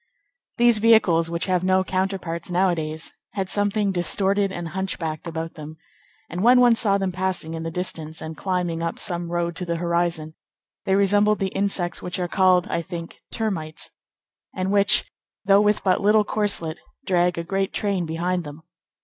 These vehicles, which have no counterparts nowadays, had something distorted and hunchbacked about them; and when one saw them passing in the distance, and climbing up some road to the horizon, they resembled the insects which are called, I think, termites, and which, though with but little corselet, drag a great train behind them.